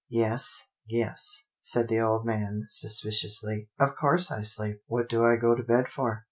"" Yes, yes," said the old man, suspiciously, " of course I sleep. What do I go to bed for?